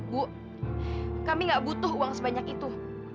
bu kami nggak butuh uang sebanyak itu